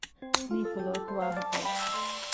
މީ ފުލޯކު ވާހަކައެއް